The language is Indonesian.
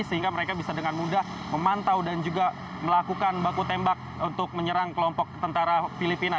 sehingga mereka bisa dengan mudah memantau dan juga melakukan baku tembak untuk menyerang kelompok tentara filipina